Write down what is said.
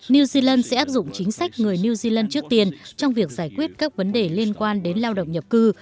new zealand sẽ áp dụng chính sách người new zealand trước tiên trong việc giải quyết các vấn đề liên quan đến lao động nhập cư